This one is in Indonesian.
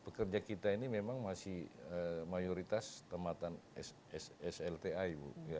ya pekerja kita ini memang masih mayoritas tematan slti